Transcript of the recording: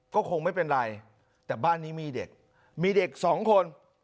ก็คงไม่เป็นไรแต่บ้านนี้มีเด็กมีเด็กสองคน